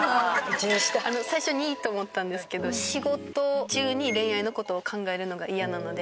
最初２位って思ったんですけど仕事中に恋愛の事を考えるのが嫌なので。